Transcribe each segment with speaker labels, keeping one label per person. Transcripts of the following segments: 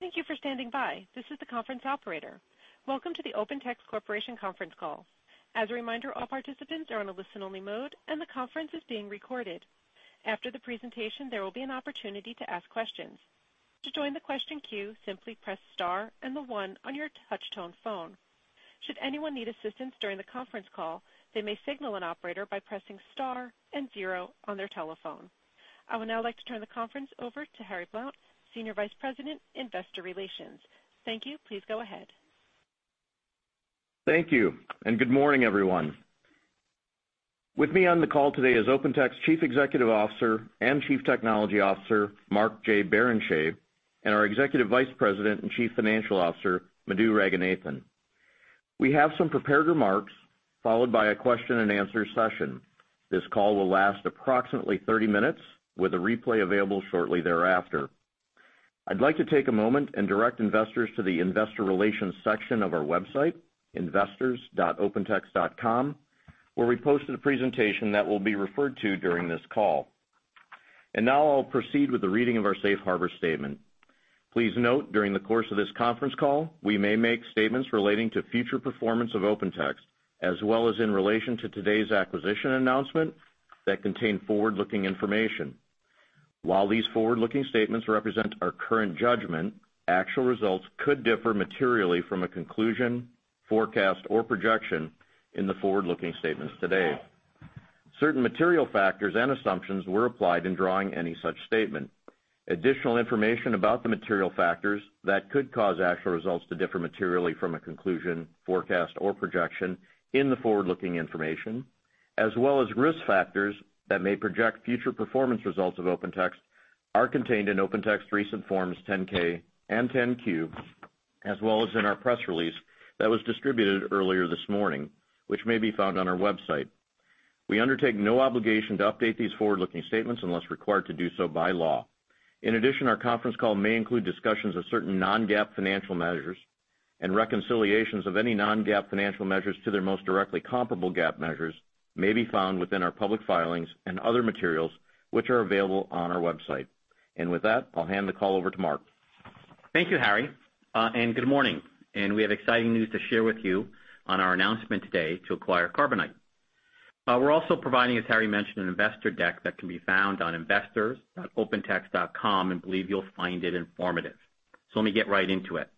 Speaker 1: Thank you for standing by. This is the conference operator. Welcome to the Open Text Corporation conference call. As a reminder, all participants are on a listen-only mode, and the conference is being recorded. After the presentation, there will be an opportunity to ask questions. To join the question queue, simply press star and the one on your touch-tone phone. Should anyone need assistance during the conference call, they may signal an operator by pressing star and zero on their telephone. I would now like to turn the conference over to Harry Blount, Senior Vice President, Investor Relations. Thank you. Please go ahead.
Speaker 2: Thank you, and good morning, everyone. With me on the call today is Open Text Chief Executive Officer and Chief Technology Officer, Mark J. Barrenechea, and our Executive Vice President and Chief Financial Officer, Madhu Ranganathan. We have some prepared remarks followed by a question and answer session. This call will last approximately 30 minutes, with a replay available shortly thereafter. I'd like to take a moment and direct investors to the investor relations section of our website, investors.opentext.com, where we posted a presentation that will be referred to during this call. Now I'll proceed with the reading of our safe harbor statement. Please note during the course of this conference call, we may make statements relating to future performance of Open Text, as well as in relation to today's acquisition announcement that contain forward-looking information. While these forward-looking statements represent our current judgment, actual results could differ materially from a conclusion, forecast, or projection in the forward-looking statements today. Certain material factors and assumptions were applied in drawing any such statement. Additional information about the material factors that could cause actual results to differ materially from a conclusion, forecast, or projection in the forward-looking information, as well as risk factors that may project future performance results of Open Text are contained in Open Text recent Forms 10-K and 10-Q, as well as in our press release that was distributed earlier this morning, which may be found on our website. We undertake no obligation to update these forward-looking statements unless required to do so by law. In addition, our conference call may include discussions of certain non-GAAP financial measures and reconciliations of any non-GAAP financial measures to their most directly comparable GAAP measures may be found within our public filings and other materials, which are available on our website. With that, I'll hand the call over to Mark.
Speaker 3: Thank you, Harry, good morning, we have exciting news to share with you on our announcement today to acquire Carbonite. We're also providing, as Harry mentioned, an investor deck that can be found on investors.opentext.com and believe you'll find it informative. Let me get right into it.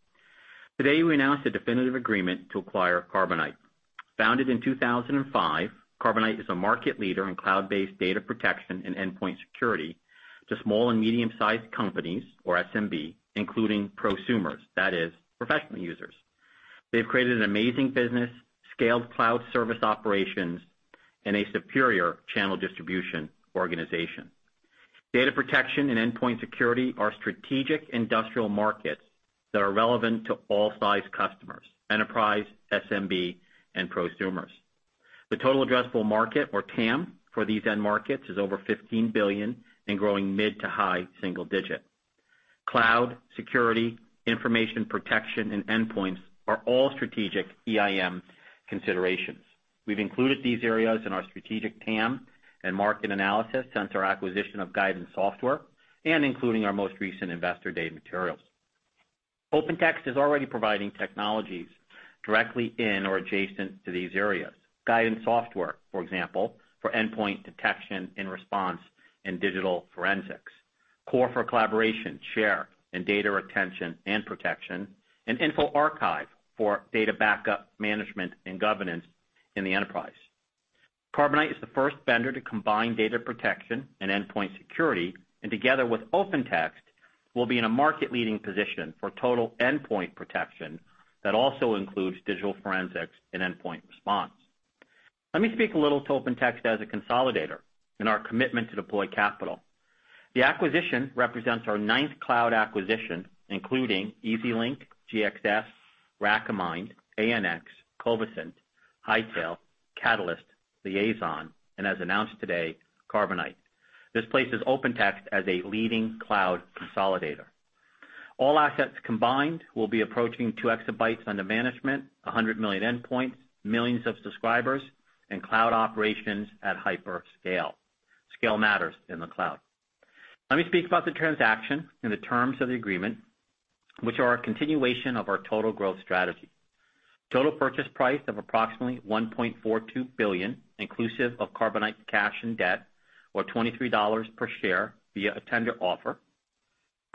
Speaker 3: Today, we announced a definitive agreement to acquire Carbonite. Founded in 2005, Carbonite is a market leader in cloud-based data protection and endpoint security to small and medium-sized companies, or SMB, including prosumers, that is professional users. They've created an amazing business, scaled cloud service operations, and a superior channel distribution organization. Data protection and endpoint security are strategic industrial markets that are relevant to all size customers: enterprise, SMB, and prosumers. The total addressable market or TAM for these end markets is over $15 billion and growing mid to high single-digit. Cloud, security, information protection, and endpoints are all strategic EIM considerations. We've included these areas in our strategic TAM and market analysis since our acquisition of Guidance Software and including our most recent investor day materials. Open Text is already providing technologies directly in or adjacent to these areas. Guidance Software, for example, for endpoint detection and response and digital forensics. Core for collaboration, share, and data retention and protection, and InfoArchive for data backup management and governance in the enterprise. Carbonite is the first vendor to combine data protection and endpoint security, and together with Open Text, will be in a market-leading position for total endpoint protection that also includes digital forensics and endpoint response. Let me speak a little to Open Text as a consolidator and our commitment to deploy capital. The acquisition represents our ninth cloud acquisition, including EasyLink, GXS, Recommind, ANX, Covisint, Hightail, Catalyst, Liaison, and as announced today, Carbonite. This places Open Text as a leading cloud consolidator. All assets combined will be approaching two exabytes under management, 100 million endpoints, millions of subscribers, and cloud operations at hyperscale. Scale matters in the cloud. Let me speak about the transaction and the terms of the agreement, which are a continuation of our total growth strategy. Total purchase price of approximately $1.42 billion inclusive of Carbonite cash and debt, or $23 per share via a tender offer.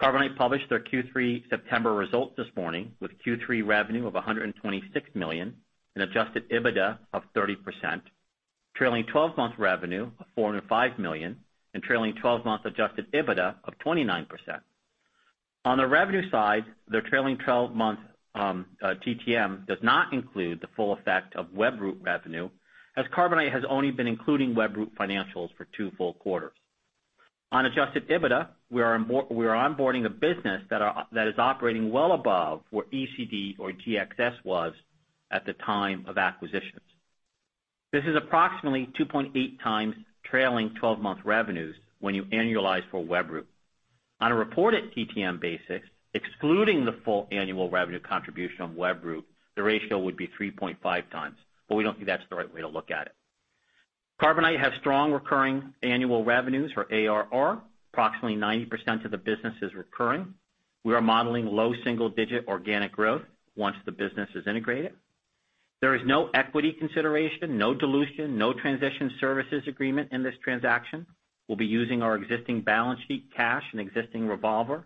Speaker 3: Carbonite published their Q3 September results this morning with Q3 revenue of $126 million and adjusted EBITDA of 30%, trailing 12-month revenue of $405 million, and trailing 12-month adjusted EBITDA of 29%. On the revenue side, their trailing 12-month TTM does not include the full effect of Webroot revenue, as Carbonite has only been including Webroot financials for two full quarters. On adjusted EBITDA, we are onboarding a business that is operating well above where ECD or GXS was at the time of acquisitions. This is approximately 2.8 times trailing 12-month revenues when you annualize for Webroot. On a reported TTM basis, excluding the full annual revenue contribution from Webroot, the ratio would be 3.5 times. We don't think that's the right way to look at it. Carbonite has strong recurring annual revenues or ARR. Approximately 90% of the business is recurring. We are modeling low single-digit organic growth once the business is integrated. There is no equity consideration, no dilution, no transition services agreement in this transaction. We'll be using our existing balance sheet cash and existing revolver.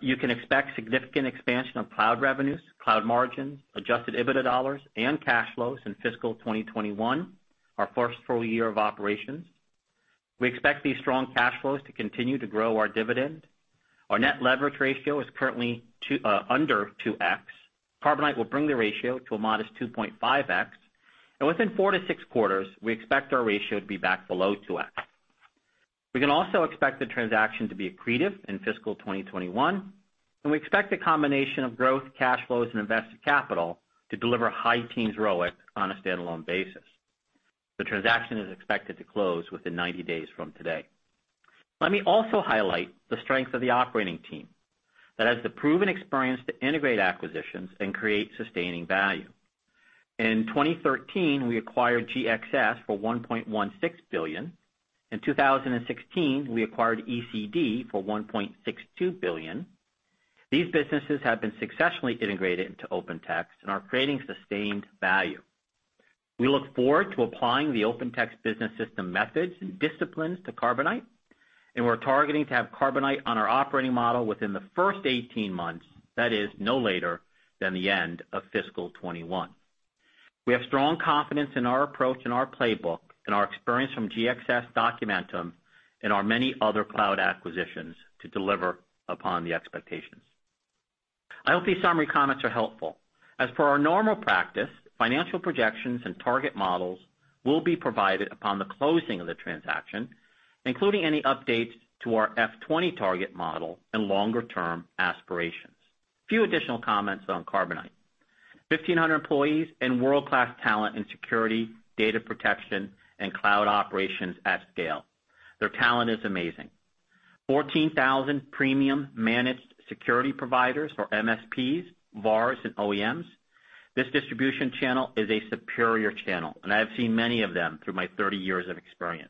Speaker 3: You can expect significant expansion of cloud revenues, cloud margin, adjusted EBITDA dollars, and cash flows in fiscal 2021, our first full year of operations. We expect these strong cash flows to continue to grow our dividend. Our net leverage ratio is currently under 2x. Carbonite will bring the ratio to a modest 2.5x. Within 4-6 quarters, we expect our ratio to be back below 2x. We can also expect the transaction to be accretive in fiscal 2021, and we expect a combination of growth, cash flows, and invested capital to deliver high teens ROIC on a standalone basis. The transaction is expected to close within 90 days from today. Let me also highlight the strength of the operating team that has the proven experience to integrate acquisitions and create sustaining value. In 2013, we acquired GXS for $1.16 billion. In 2016, we acquired ECD for $1.62 billion. These businesses have been successfully integrated into Open Text and are creating sustained value. We look forward to applying the Open Text business system methods and disciplines to Carbonite, and we're targeting to have Carbonite on our operating model within the first 18 months. That is, no later than the end of fiscal 2021. We have strong confidence in our approach and our playbook and our experience from GXS Documentum and our many other cloud acquisitions to deliver upon the expectations. I hope these summary comments are helpful. As per our normal practice, financial projections and target models will be provided upon the closing of the transaction, including any updates to our FY 2020 target model and longer-term aspirations. Few additional comments on Carbonite. 1,500 employees and world-class talent in security, data protection, and cloud operations at scale. Their talent is amazing. 14,000 premium managed security providers or MSPs, VARs, and OEMs. This distribution channel is a superior channel. I have seen many of them through my 30 years of experience.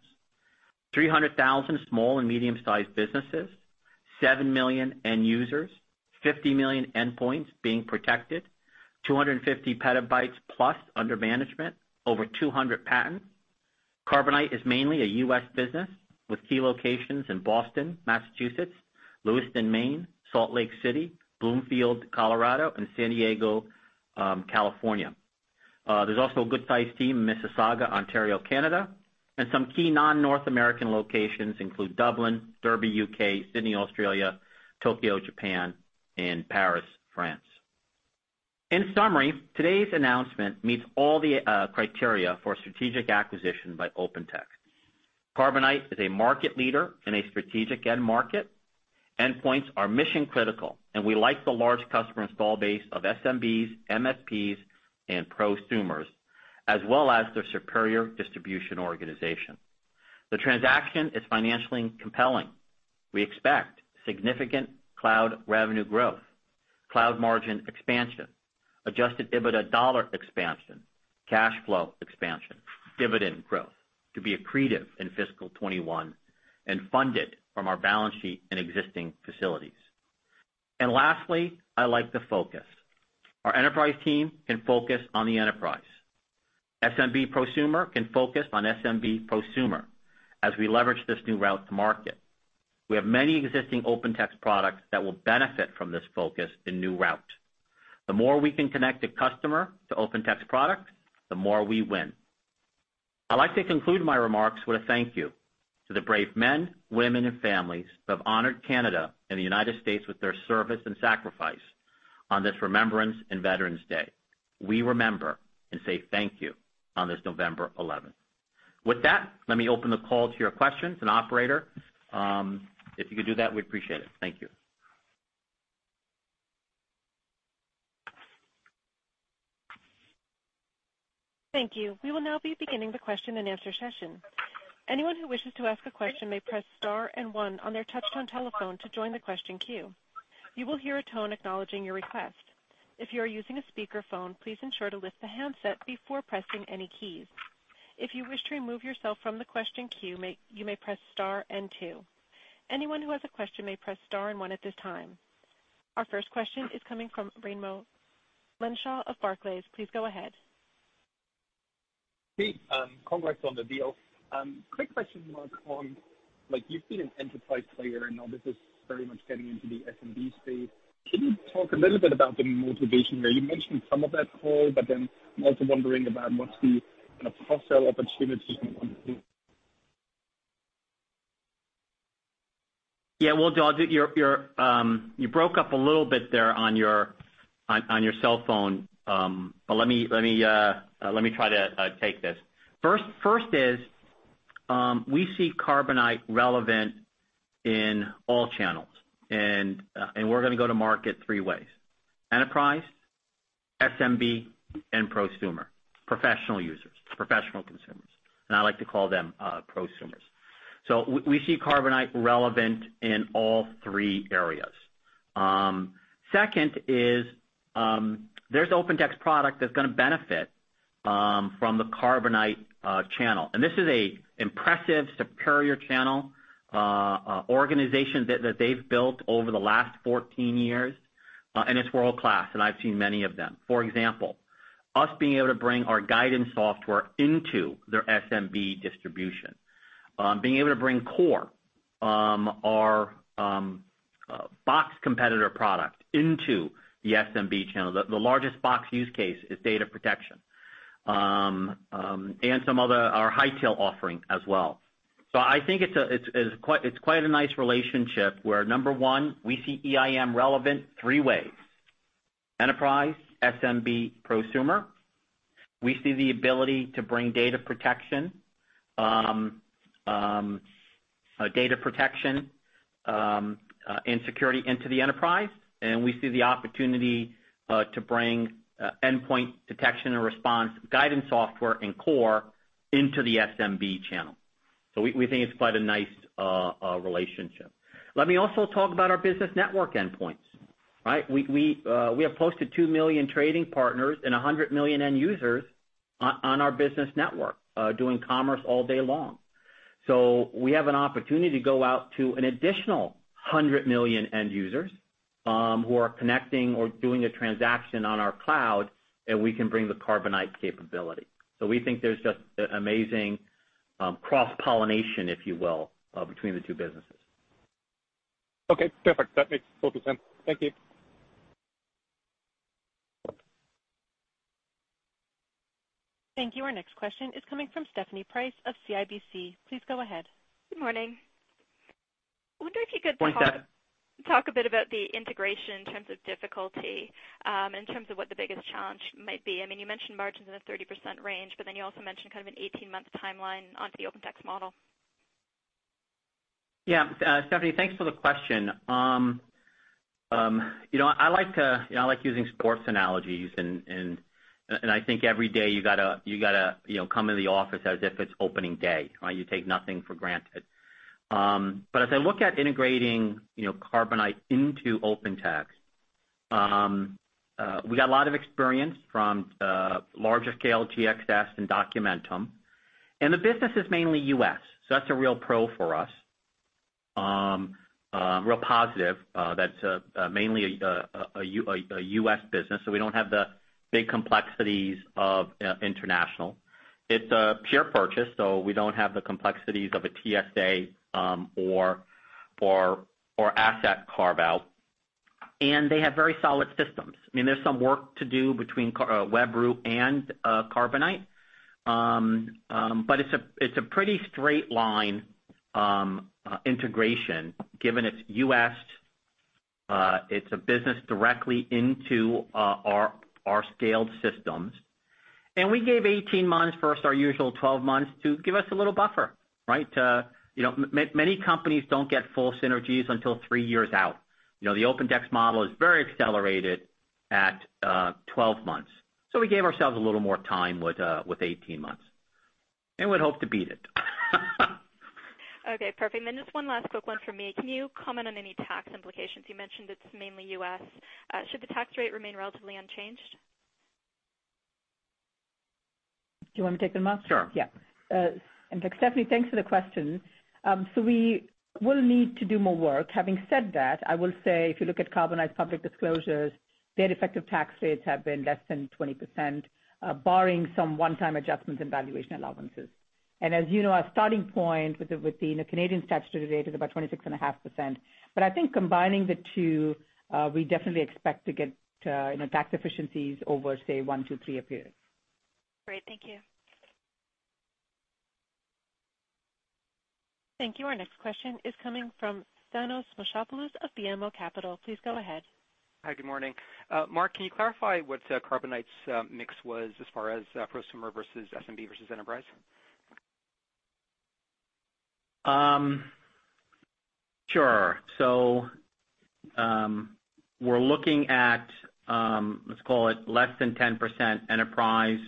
Speaker 3: 300,000 small and medium-sized businesses, seven million end users, 50 million endpoints being protected, 250 petabytes plus under management, over 200 patents. Carbonite is mainly a U.S. business with key locations in Boston, Massachusetts, Lewiston, Maine, Salt Lake City, Broomfield, Colorado, and San Diego, California. There is also a good-sized team in Mississauga, Ontario, Canada. Some key non-North American locations include Dublin, Derby, U.K., Sydney, Australia, Tokyo, Japan, and Paris, France. In summary, today's announcement meets all the criteria for a strategic acquisition by Open Text. Carbonite is a market leader in a strategic end market. Endpoints are mission-critical. We like the large customer install base of SMBs, MSPs, and prosumers, as well as their superior distribution organization. The transaction is financially compelling. We expect significant cloud revenue growth, cloud margin expansion, adjusted EBITDA dollar expansion, cash flow expansion, dividend growth to be accretive in fiscal 2021 and funded from our balance sheet and existing facilities. Lastly, I like the focus. Our enterprise team can focus on the enterprise. SMB prosumer can focus on SMB prosumer as we leverage this new route to market. We have many existing Open Text products that will benefit from this focus and new route. The more we can connect a customer to Open Text products, the more we win. I'd like to conclude my remarks with a thank you to the brave men, women, and families who have honored Canada and the United States with their service and sacrifice on this Remembrance and Veterans Day. We remember and say thank you on this November 11th. With that, let me open the call to your questions. Operator, if you could do that, we'd appreciate it. Thank you.
Speaker 1: Thank you. We will now be beginning the question and answer session. Anyone who wishes to ask a question may press star and one on their touch-tone telephone to join the question queue. You will hear a tone acknowledging your request. If you are using a speakerphone, please ensure to lift the handset before pressing any keys. If you wish to remove yourself from the question queue, you may press star and two. Anyone who has a question may press star and one at this time. Our first question is coming from Raimo Lenschow of Barclays. Please go ahead.
Speaker 4: Hey, congrats on the deal. Quick question, Mark, on you've been an enterprise player and now this is very much getting into the SMB space. Can you talk a little bit about the motivation there? You mentioned some of that call, but then I'm also wondering about what's the kind of cross-sell opportunities?
Speaker 3: Yeah. Well, you broke up a little bit there on your cellphone. Let me try to take this. First is, we see Carbonite relevant in all channels. We're going to go to market three ways, enterprise, SMB, and prosumer. Professional users, professional consumers, and I like to call them prosumers. So we see Carbonite relevant in all three areas. Second is, there's Open Text product that's gonna benefit from the Carbonite channel. This is an impressive, superior channel, organization that they've built over the last 14 years. It's world-class, I've seen many of them. For example, us being able to bring our Guidance Software into their SMB distribution. Being able to bring Core, our Box competitor product into the SMB channel. The largest Box use case is data protection. Some other, our Hightail offering as well. I think it's quite a nice relationship where number 1, we see EIM relevant three ways, enterprise, SMB, prosumer. We see the ability to bring data protection and security into the enterprise, and we see the opportunity to bring endpoint detection and response Guidance Software and Core into the SMB channel. We think it's quite a nice relationship. Let me also talk about our business network endpoints. We have posted 2 million trading partners and 100 million end users on our business network, doing commerce all day long. We have an opportunity to go out to an additional 100 million end users, who are connecting or doing a transaction on our cloud, and we can bring the Carbonite capability. We think there's just amazing cross-pollination, if you will, between the two businesses.
Speaker 4: Okay, perfect. That makes total sense. Thank you.
Speaker 1: Thank you. Our next question is coming from Stephanie Price of CIBC. Please go ahead.
Speaker 5: Good morning.
Speaker 3: Morning, Steph.
Speaker 5: talk a bit about the integration in terms of difficulty, in terms of what the biggest challenge might be. You mentioned margins in a 30% range, you also mentioned kind of an 18-month timeline onto the Open Text model.
Speaker 3: Yeah. Stephanie, thanks for the question. I like using sports analogies, and I think every day you gotta come into the office as if it's opening day. You take nothing for granted. As I look at integrating Carbonite into Open Text, we got a lot of experience from larger scale, GXS and Documentum, and the business is mainly U.S., so that's a real pro for us. Real positive that's mainly a U.S. business, so we don't have the big complexities of international. It's a pure purchase, so we don't have the complexities of a TSA or asset carve-out. They have very solid systems. There's some work to do between Webroot and Carbonite. It's a pretty straight line integration given it's U.S., it's a business directly into our scaled systems. We gave 18 months versus our usual 12 months to give us a little buffer. Many companies don't get full synergies until three years out. The Open Text model is very accelerated at 12 months. We gave ourselves a little more time with 18 months, and would hope to beat it.
Speaker 5: Okay, perfect. Just one last quick one from me. Can you comment on any tax implications? You mentioned it's mainly U.S. Should the tax rate remain relatively unchanged?
Speaker 6: Do you want me to take them Mark?
Speaker 3: Sure.
Speaker 6: Yeah. Stephanie, thanks for the question. We will need to do more work. Having said that, I will say if you look at Carbonite's public disclosures, their effective tax rates have been less than 20%, barring some one-time adjustments and valuation allowances. As you know, our starting point with the Canadian statutory rate is about 26.5%. I think combining the two, we definitely expect to get tax efficiencies over, say, one to three periods.
Speaker 5: Great. Thank you.
Speaker 1: Thank you. Our next question is coming from Thanos Moschopoulos of BMO Capital. Please go ahead.
Speaker 7: Hi. Good morning. Mark, can you clarify what Carbonite's mix was as far as prosumer versus SMB versus enterprise?
Speaker 3: Sure. We're looking at, let's call it less than 10% enterprise,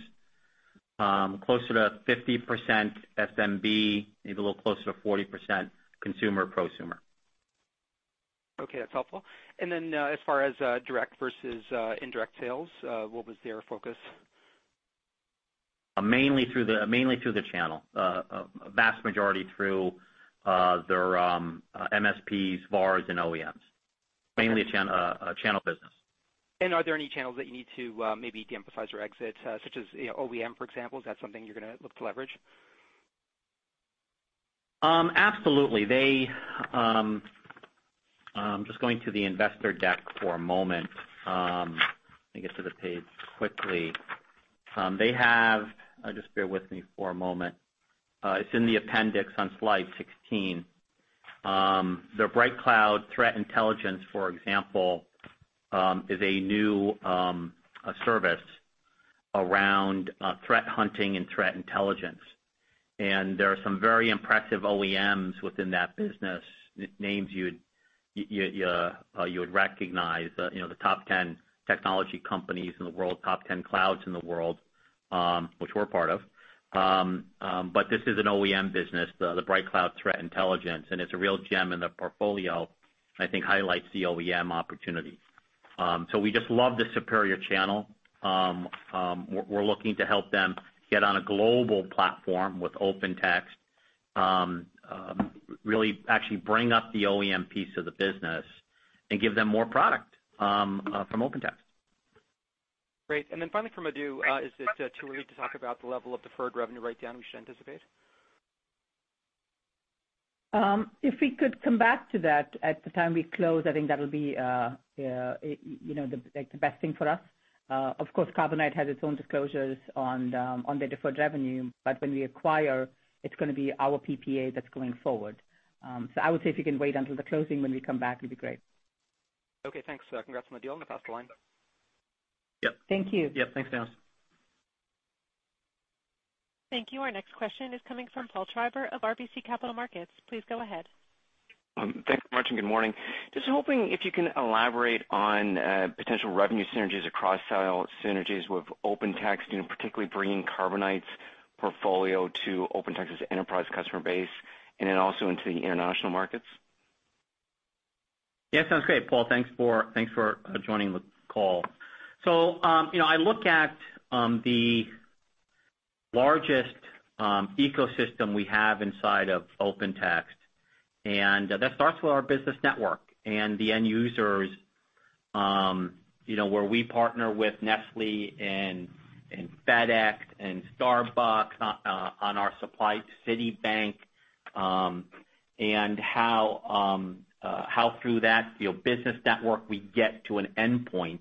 Speaker 3: closer to 50% SMB, maybe a little closer to 40% consumer prosumer.
Speaker 7: Okay. That's helpful. Then, as far as direct versus indirect sales, what was their focus?
Speaker 3: Mainly through the channel, a vast majority through their MSPs, VARs, and OEMs. Mainly a channel business.
Speaker 7: Are there any channels that you need to maybe de-emphasize or exit? Such as OEM, for example, is that something you're going to look to leverage?
Speaker 3: Absolutely. I'm just going to the investor deck for a moment. Let me get to the page quickly. Just bear with me for a moment. It's in the appendix on slide 16. Their BrightCloud Threat Intelligence, for example, is a new service around threat hunting and threat intelligence. There are some very impressive OEMs within that business. Names you would recognize the top 10 technology companies in the world, top 10 clouds in the world, which we're part of. This is an OEM business, the BrightCloud Threat Intelligence, and it's a real gem in the portfolio, I think highlights the OEM opportunity. We just love the Superior channel. We're looking to help them get on a global platform with OpenText, really actually bring up the OEM piece of the business and give them more product from OpenText.
Speaker 7: Great. Finally from Madhu, is it too early to talk about the level of deferred revenue write-down we should anticipate?
Speaker 6: If we could come back to that at the time we close, I think that'll be the best thing for us. Of course, Carbonite has its own disclosures on their deferred revenue, but when we acquire, it's going to be our PPA that's going forward. I would say if you can wait until the closing when we come back, it'd be great.
Speaker 7: Okay, thanks. Congrats on the deal. I'll pass the line back.
Speaker 6: Thank you.
Speaker 3: Yep. Thanks, Thanos.
Speaker 1: Thank you. Our next question is coming from Paul Treiber of RBC Capital Markets. Please go ahead.
Speaker 8: Thanks so much. Good morning. Just hoping if you can elaborate on potential revenue synergies or cross-sell synergies with Open Text, particularly bringing Carbonite's portfolio to Open Text's enterprise customer base and then also into the international markets.
Speaker 3: Sounds great, Paul. Thanks for joining the call. I look at the largest ecosystem we have inside of OpenText, and that starts with our business network and the end users, where we partner with Nestlé and FedEx and Starbucks on our supply to Citibank, and how through that business network, we get to an endpoint.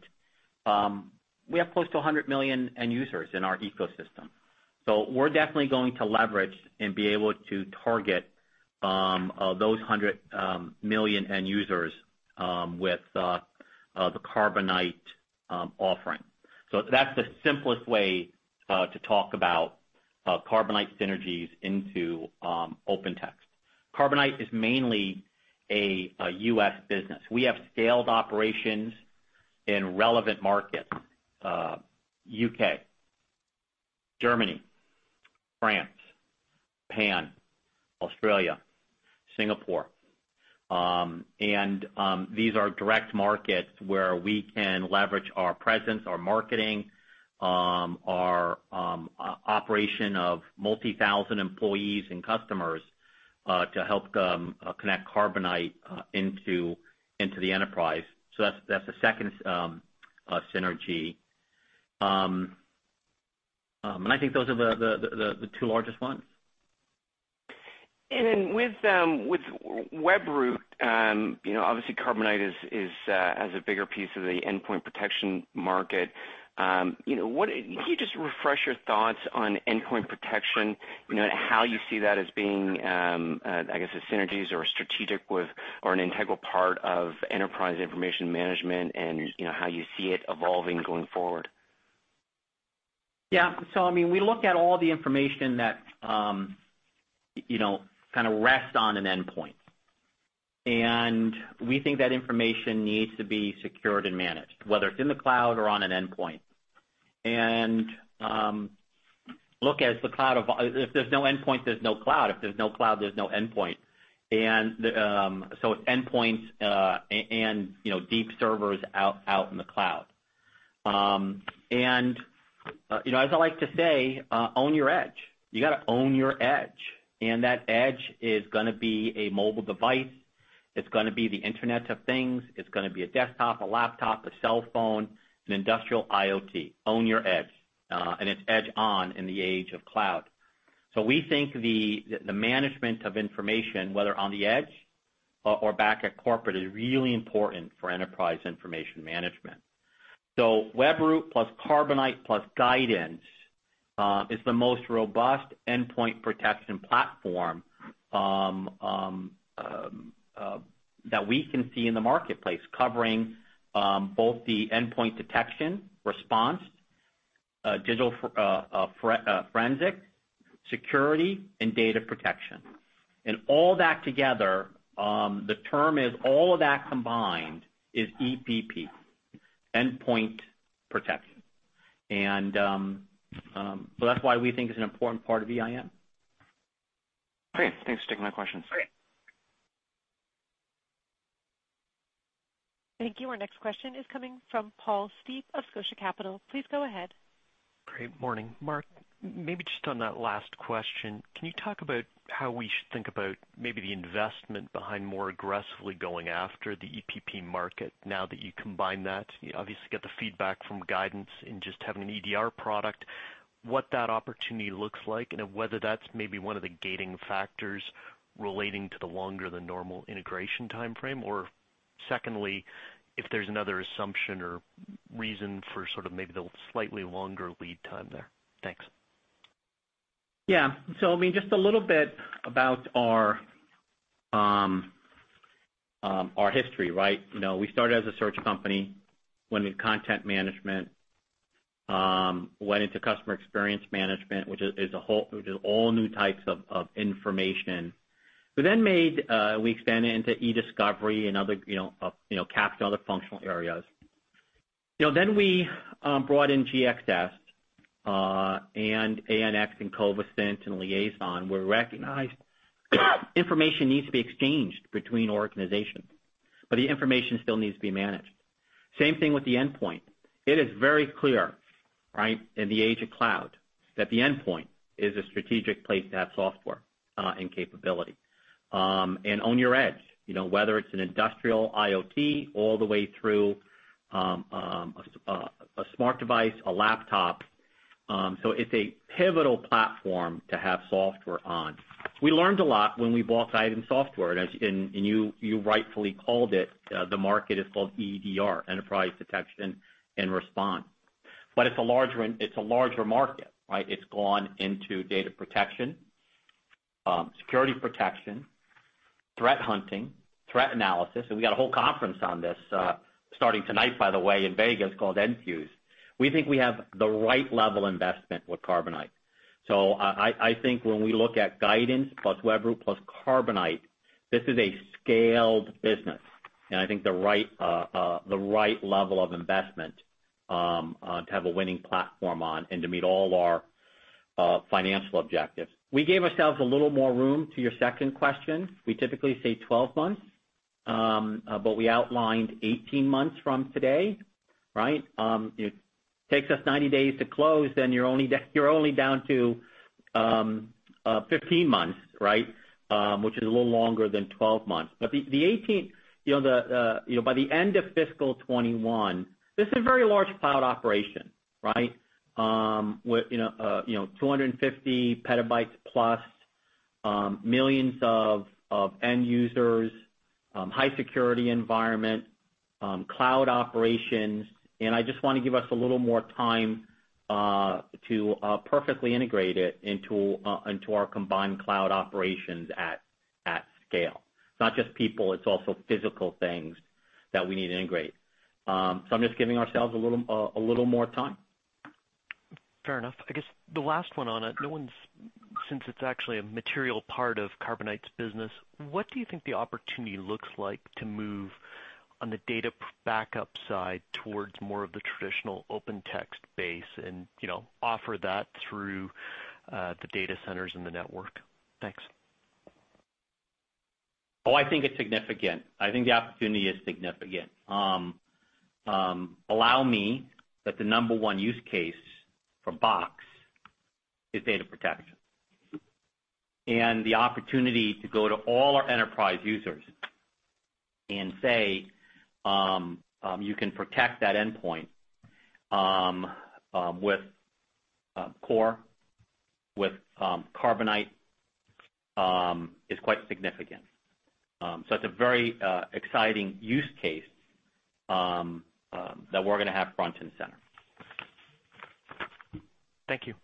Speaker 3: We have close to 100 million end users in our ecosystem. We're definitely going to leverage and be able to target those 100 million end users with the Carbonite offering. That's the simplest way to talk about Carbonite synergies into OpenText. Carbonite is mainly a U.S. business. We have scaled operations in relevant markets, U.K., Germany, France, Japan, Australia, Singapore. These are direct markets where we can leverage our presence, our marketing, our operation of multi-thousand employees and customers to help them connect Carbonite into the enterprise. That's the second synergy. I think those are the two largest ones.
Speaker 8: With Webroot, obviously Carbonite has a bigger piece of the endpoint protection market. Can you just refresh your thoughts on endpoint protection, and how you see that as being, I guess, as synergies or strategic with or an integral part of enterprise information management and how you see it evolving going forward?
Speaker 3: Yeah. We look at all the information that kind of rests on an endpoint. We think that information needs to be secured and managed, whether it's in the cloud or on an endpoint. Look, if there's no endpoint, there's no cloud. If there's no cloud, there's no endpoint. It's endpoints and deep servers out in the cloud. As I like to say, own your edge. You got to own your edge. That edge is gonna be a mobile device. It's gonna be the Internet of Things. It's gonna be a desktop, a laptop, a cell phone, an industrial IoT. Own your edge. It's edge on in the age of cloud. We think the management of information, whether on the edge or back at corporate, is really important for enterprise information management. Webroot plus Carbonite plus Guidance is the most robust endpoint protection platform that we can see in the marketplace, covering both the endpoint detection, response, digital forensic, security, and data protection. All that together, the term is all of that combined is EPP, endpoint protection. That's why we think it's an important part of EIM.
Speaker 8: Great. Thanks. Taking my questions.
Speaker 6: Great.
Speaker 1: Thank you. Our next question is coming from Paul Steep of Scotia Capital. Please go ahead.
Speaker 9: Great morning. Mark, maybe just on that last question, can you talk about how we should think about maybe the investment behind more aggressively going after the EPP market now that you combine that? You obviously get the feedback from Guidance in just having an EDR product. What that opportunity looks like, and whether that's maybe one of the gating factors relating to the longer than normal integration timeframe, or secondly, if there's another assumption or reason for sort of maybe the slightly longer lead time there. Thanks.
Speaker 3: Just a little bit about our history, right? We started as a search company, went into content management, went into customer experience management, which is all new types of information. We then expanded into eDiscovery and other functional areas. We brought in GXS, ANX, Covisint, and Liaison, where recognized information needs to be exchanged between organizations, but the information still needs to be managed. Same thing with the endpoint. It is very clear in the age of cloud that the endpoint is a strategic place to have software and capability. On your edge, whether it's an industrial IoT all the way through a smart device, a laptop. It's a pivotal platform to have software on. We learned a lot when we bought Ivanti Software, and you rightfully called it, the market is called EDR, enterprise detection and response. It's a larger market. It's gone into data protection, security protection, threat hunting, threat analysis, and we got a whole conference on this, starting tonight by the way, in Vegas, called Enfuse. We think we have the right level investment with Carbonite. I think when we look at Guidance plus Webroot plus Carbonite, this is a scaled business, and I think the right level of investment to have a winning platform on and to meet all our financial objectives. We gave ourselves a little more room to your second question. We typically say 12 months, but we outlined 18 months from today. If it takes us 90 days to close, you're only down to 15 months. Which is a little longer than 12 months. By the end of fiscal 2021, this is a very large cloud operation. 250 petabytes plus, millions of end users, high security environment, cloud operations, I just want to give us a little more time to perfectly integrate it into our combined cloud operations at scale. It's not just people, it's also physical things that we need to integrate. I'm just giving ourselves a little more time.
Speaker 9: Fair enough. I guess the last one on it, since it is actually a material part of Carbonite's business, what do you think the opportunity looks like to move on the data backup side towards more of the traditional Open Text base and offer that through the data centers and the network? Thanks.
Speaker 3: Oh, I think it's significant. I think the opportunity is significant. Allow me that the number one use case for Box is data protection. The opportunity to go to all our enterprise users and say, you can protect that endpoint with Core, with Carbonite, is quite significant. It's a very exciting use case that we're going to have front and center.
Speaker 9: Thank you.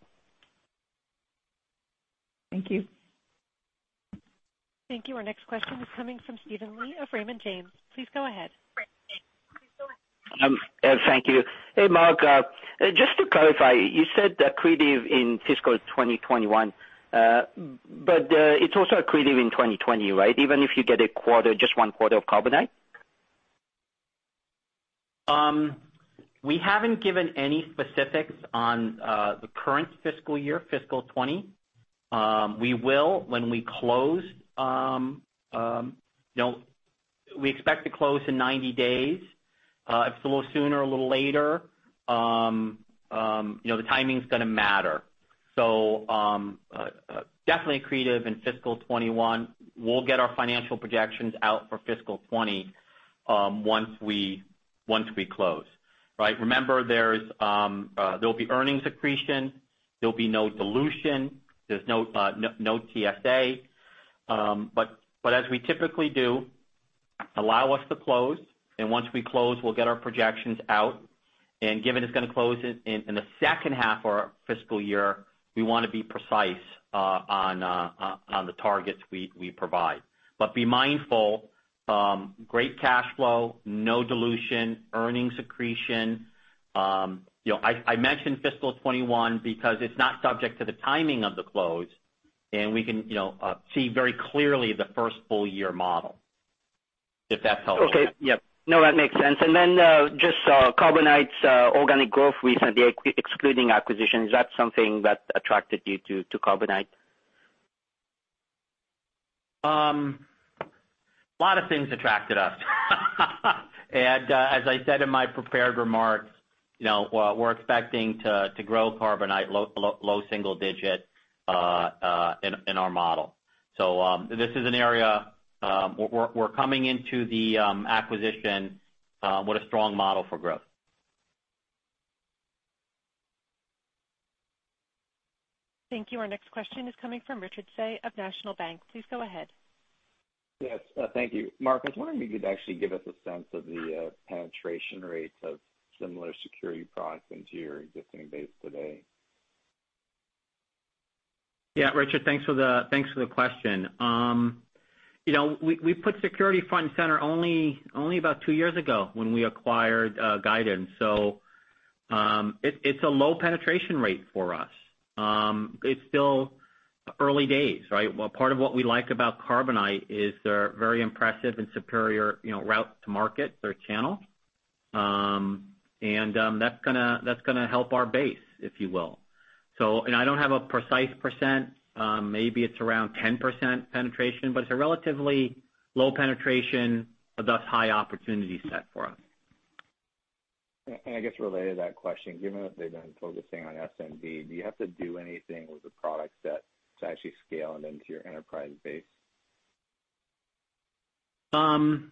Speaker 3: Thank you.
Speaker 1: Thank you. Our next question is coming from Steven Li of Raymond James. Please go ahead.
Speaker 10: Thank you. Hey, Mark. Just to clarify, you said accretive in fiscal 2021. It's also accretive in 2020, right? Even if you get just one quarter of Carbonite?
Speaker 3: We haven't given any specifics on the current fiscal year, fiscal 2020. We will when we close. We expect to close in 90 days. If it's a little sooner or a little later, the timing's going to matter. Definitely accretive in fiscal 2021. We'll get our financial projections out for fiscal 2020 once we close. Remember, there'll be earnings accretion, there'll be no dilution, there's no TSA. As we typically do, allow us to close, and once we close, we'll get our projections out. Given it's going to close in the second half of our fiscal year, we want to be precise on the targets we provide. Be mindful, great cash flow, no dilution, earnings accretion. I mentioned fiscal 2021 because it's not subject to the timing of the close, and we can see very clearly the first full year model, if that's helpful.
Speaker 10: Okay. Yep. No, that makes sense. Just Carbonite's organic growth recently, excluding acquisition, is that something that attracted you to Carbonite?
Speaker 3: A lot of things attracted us. As I said in my prepared remarks, we're expecting to grow Carbonite low single digit in our model. This is an area we're coming into the acquisition with a strong model for growth.
Speaker 1: Thank you. Our next question is coming from Richard Tse of National Bank. Please go ahead.
Speaker 11: Thank you. Mark, I was wondering if you could actually give us a sense of the penetration rates of similar security products into your existing base today?
Speaker 3: Yeah, Richard, thanks for the question. We put security front and center only about two years ago when we acquired Guidance. It's a low penetration rate for us. It's still early days, right? Part of what we like about Carbonite is their very impressive and superior route to market, their channel. That's going to help our base, if you will. I don't have a precise percent. Maybe it's around 10% penetration, but it's a relatively low penetration, thus high opportunity set for us.
Speaker 11: I guess related to that question, given that they've been focusing on SMB, do you have to do anything with the product set to actually scale it into your enterprise base?
Speaker 3: In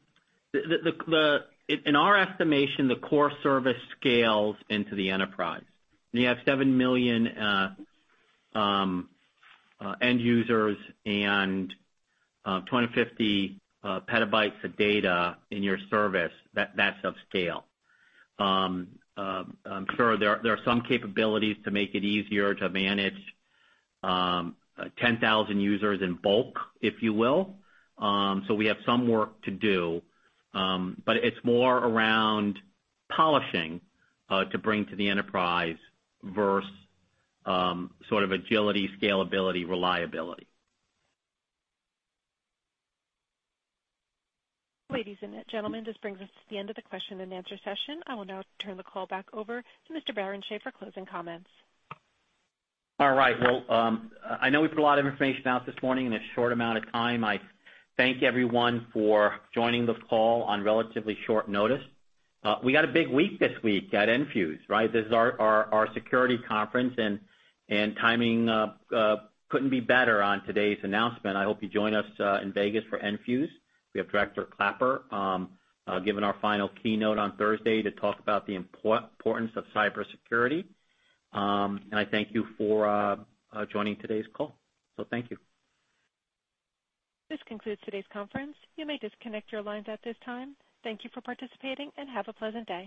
Speaker 3: our estimation, the Core service scales into the enterprise. When you have 7 million end users and 20, 50 petabytes of data in your service, that's upscale. I'm sure there are some capabilities to make it easier to manage 10,000 users in bulk, if you will. We have some work to do. It's more around polishing to bring to the enterprise versus sort of agility, scalability, reliability.
Speaker 1: Ladies and gentlemen, this brings us to the end of the question and answer session. I will now turn the call back over to Mr. Barrenechea for closing comments.
Speaker 3: All right. Well, I know we put a lot of information out this morning in a short amount of time. I thank everyone for joining the call on relatively short notice. We got a big week this week at Enfuse, right? This is our security conference, timing couldn't be better on today's announcement. I hope you join us in Vegas for Enfuse. We have Director Clapper giving our final keynote on Thursday to talk about the importance of cybersecurity. I thank you for joining today's call. Thank you.
Speaker 1: This concludes today's conference. You may disconnect your lines at this time. Thank you for participating, and have a pleasant day.